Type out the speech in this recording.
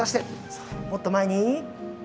そうもっと前に。